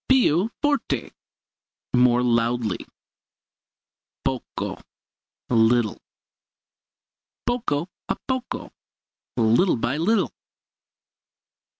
Più forte more loudly. Poco little. Poco a poco little by little.